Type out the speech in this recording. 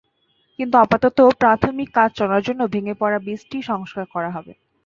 কিন্তু আপাতত প্রাথমিক কাজ চলার জন্য ভেঙে পড়া ব্রিজটিই সংস্কার করা হবে।